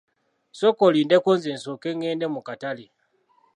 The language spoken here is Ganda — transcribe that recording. Sooka olindeko nze nsooke ngende mu katale.